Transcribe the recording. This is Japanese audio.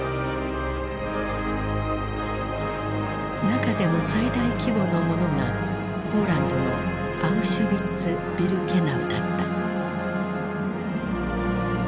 中でも最大規模のものがポーランドのアウシュビッツ・ビルケナウだった。